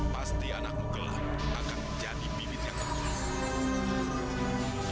pasti anakmu gelap akan menjadi bibit yang kukuh